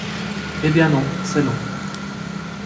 Hé bien non, c’est long.